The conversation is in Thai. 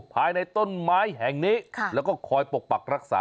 ภายในต้นไม้แห่งนี้แล้วก็คอยปกปักรักษา